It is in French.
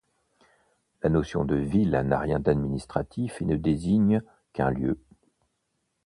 La notion de ville n'a rien d'administratif et ne désigne qu'un lieu.